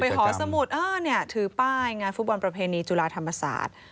หอสมุทรถือป้ายงานฟุตบอลประเพณีจุฬาธรรมศาสตร์